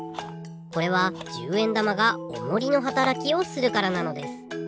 これは１０円玉がおもりのはたらきをするからなのです。